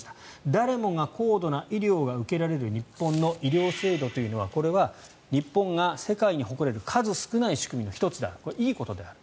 誰もが高度な医療を受けられる日本の医療制度というのはこれは日本が世界に誇れる数少ない仕組みの１つであるいいことである。